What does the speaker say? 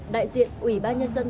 đại diện ủy ba nhân dân